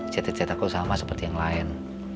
cetek cetek aku sama seperti yang lain